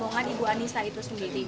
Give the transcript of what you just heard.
dan dengan rombongan bu anissa itu sendiri